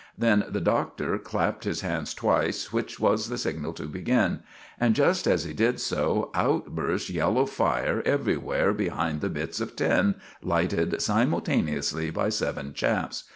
Then the Doctor clapped his hands twice, which was the signal to begin; and just as he did so out burst yellow fire everywhere behind the bits of tin, lighted simultaneously by seven chaps.